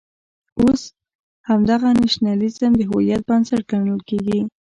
اوس همدغه نېشنلېزم د هویت بنسټ ګڼل کېږي.